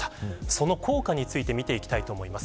その効果について見ていきたいと思います。